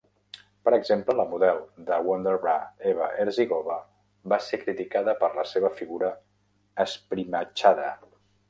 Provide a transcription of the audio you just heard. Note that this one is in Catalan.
Per exemple, la model de Wonderbra Eva Herzigova va ser criticada per la seva figura esprimatxada.